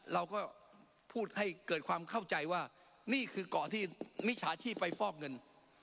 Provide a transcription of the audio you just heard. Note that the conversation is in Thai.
เราก็พูดให้เกิดความเข้าใจว่านี่คือเกาะที่มิจฉาชีพไปฟอกเงิน